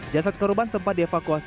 jasad korban sempat dievakuasi